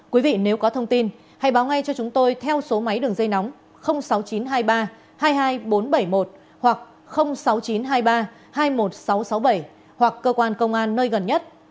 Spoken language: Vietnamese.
quý vị nếu có thông tin hãy báo ngay cho chúng tôi theo số máy đường dây nóng sáu nghìn chín trăm hai mươi ba hai mươi hai nghìn bốn trăm bảy mươi một hoặc sáu mươi chín hai mươi ba hai mươi một nghìn sáu trăm sáu mươi bảy hoặc cơ quan công an nơi gần nhất